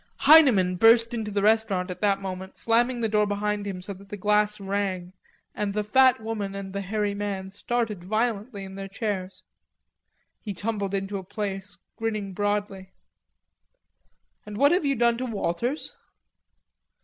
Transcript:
Heineman burst into the restaurant at that moment, slamming the door behind him so that the glass rang, and the fat woman and the hairy man started violently in their chairs. He tumbled into a place, grinning broadly. "And what have you done to Walters?"